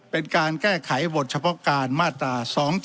เป็นการแก้ไขบทเฉพาะการมาตรา๒๗๒